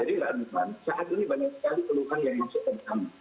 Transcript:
saat ini banyak sekali keluhan yang masuk ke becawe